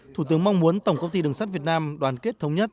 thủ tướng mong muốn tổng công ty đường sắt việt nam đoàn kết thống nhất